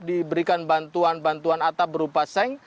diberikan bantuan bantuan atap berupa seng